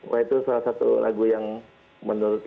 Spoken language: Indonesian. wah itu salah satu lagu yang menurut